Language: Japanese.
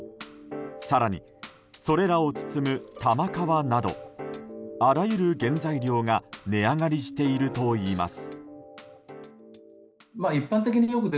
更に、それらを包む玉皮などあらゆる原材料が値上がりしているといいます。